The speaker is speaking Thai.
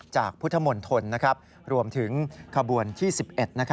จากพุทธมนตนรวมถึงขบวนที่สิบเอ็ด